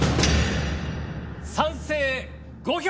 賛成５票。